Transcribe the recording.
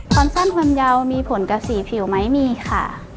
ความสั้นความยาวมีผลกับสีผิวไหมมีค่ะ